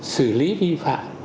xử lý vi phạm